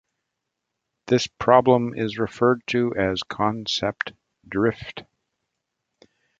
This problem is referred to as concept drift.